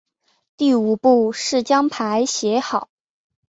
第五步是将牌写好。